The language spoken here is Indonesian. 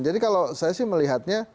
jadi kalau saya sih melihatnya